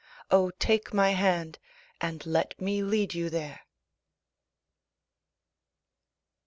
Oh, take my hand and let me lead you there.